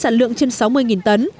sản lượng trên sáu mươi tấn